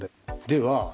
では